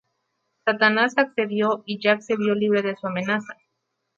Satanás accedió y Jack se vio libre de su amenaza.